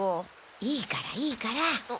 いいからいいから。